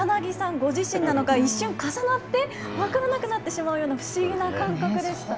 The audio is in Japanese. ご自身なのか、一瞬、重なって、分からなくなってしまうような不思議な感覚でした。